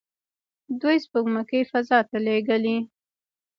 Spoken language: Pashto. دوی سپوږمکۍ فضا ته لیږلي.